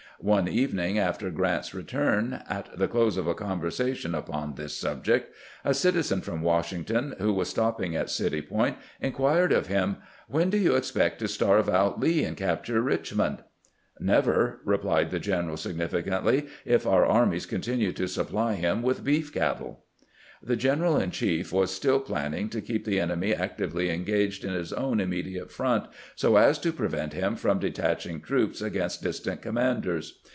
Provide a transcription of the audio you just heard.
One even ing after Grant's return, at the close of a conversation upon this subject, a citizen from Washington, who was stopping at City Point, inquired of him, "When do you expect to starve out Lee and capture Eichmond ?" "Never," replied the general, significantly, "if our ar mies continue to supply him with beef cattle." The general in chief was still planning to keep the enemy actively engaged in his own immediate front, so as to prevent him from detaching troops against distant commanders.